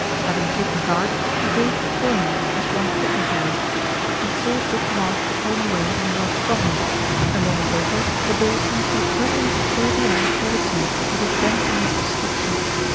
Having taken guard, he gazed before him as one hyp notised. He saw Dick Marsh turn away and walk from him. A moment later the ball seemed to be hurtling through the air towards him, as if bent on his destruction.